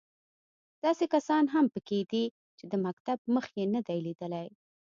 داسې کسان هم په کې دي چې د مکتب مخ یې نه دی لیدلی.